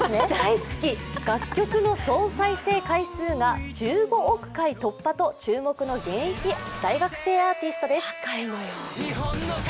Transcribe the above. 楽曲の総再生回数が１５億回突破と注目の現役大学生アーティストです。